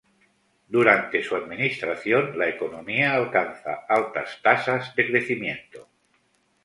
Durante su administración la economía alcanza altas tasas de crecimiento.